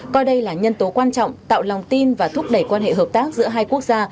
coi đây là nhân tố quan trọng tạo lòng tin và thúc đẩy quan hệ hợp tác giữa hai quốc gia